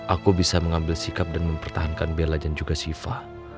aku bisa mengambil sikap dan mempertahankan berla dan juga siva